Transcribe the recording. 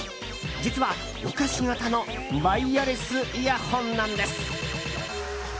実は、お菓子形のワイヤレスイヤホンなんです。